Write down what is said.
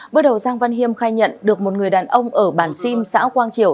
bước đầu giang văn hiêm khai nhận được một người đàn ông ở bản sim xã quang triều